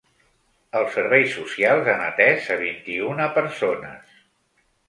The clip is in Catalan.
Els serveis socials han atès a vint-i-una persones.